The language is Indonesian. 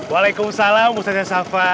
waalaikumsalam ustadzah syafa